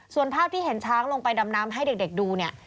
ส่วนภาพที่เห็นช้างลงไปดำน้ำให้เด็กดูเนี่ย